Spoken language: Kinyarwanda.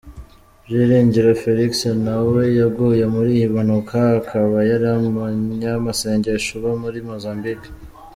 Byiringiro Felix na we yaguye muri iyi mpanuka akaba yari umunyamasengesho uba muri Mozambique